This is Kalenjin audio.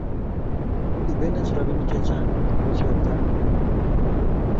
ibenech robinik chechang tuguchoto kokinyere